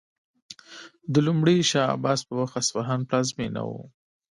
د لومړي شاه عباس په وخت اصفهان پلازمینه و.